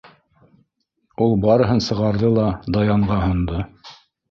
Ул барыһын сығарҙы ла, Даянға һондо.